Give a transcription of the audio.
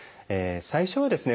最初はですね